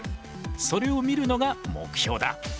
それを見るのが目標だ。